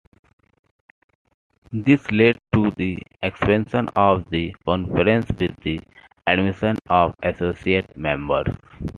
This led to the expansion of the Conference, with the admission of Associate Members.